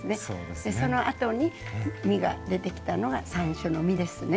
でそのあとに実が出てきたのが山椒の実ですね。